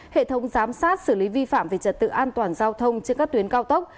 hệ thống giám sát xử lý vi phạm về trật tự an toàn giao thông trên các tuyến cao tốc